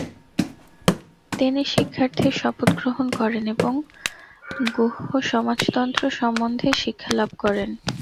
তিনি শিক্ষার্থীর শপথ গ্রহণ করেন এবং গুহ্যসমাজতন্ত্র সম্বন্ধে শিক্ষালাভ করেন।